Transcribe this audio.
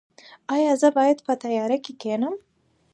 ایا زه باید په تیاره کې کینم؟